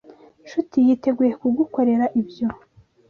Nshuti yiteguye kugukorera ibyo.